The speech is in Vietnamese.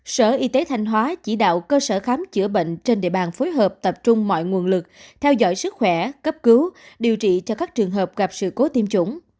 sở y tế thanh hóa chỉ đạo cơ sở khám chữa bệnh trên địa bàn phối hợp tập trung mọi nguồn lực theo dõi sức khỏe cấp cứu điều trị cho các trường hợp gặp sự cố tiêm chủng